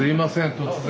突然。